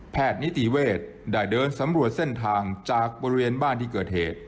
นิติเวศได้เดินสำรวจเส้นทางจากบริเวณบ้านที่เกิดเหตุ